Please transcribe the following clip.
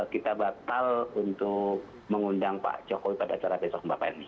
kita batal untuk mengundang pak jokowi pada acara besok